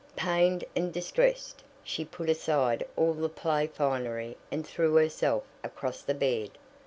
Pained and distressed, she put aside all the play finery and threw herself across the bed.